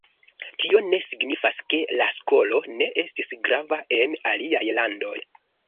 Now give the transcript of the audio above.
Tio ne signifas, ke la skolo ne estis grava en aliaj landoj.